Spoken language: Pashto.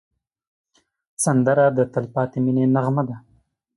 سندره د تل پاتې مینې نغمه ده